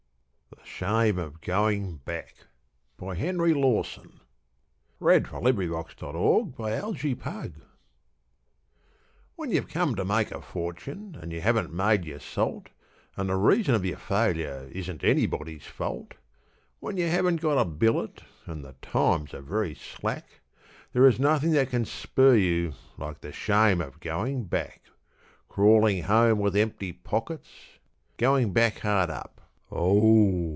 to the handle in spite of the Finger of Death on his heart. The Shame of Going Back When you've come to make a fortune and you haven't made your salt, And the reason of your failure isn't anybody's fault When you haven't got a billet, and the times are very slack, There is nothing that can spur you like the shame of going back; Crawling home with empty pockets, Going back hard up; Oh!